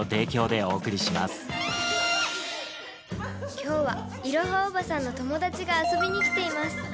今日はいろはおばさんの友達が遊びに来ています